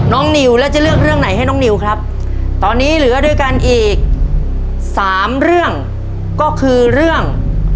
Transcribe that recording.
นิวแล้วจะเลือกเรื่องไหนให้น้องนิวครับตอนนี้เหลือด้วยกันอีกสามเรื่องก็คือเรื่อง